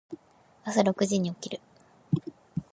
朝六時に起きる。